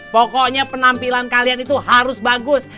pokoknya penampilan kalian itu harus bagus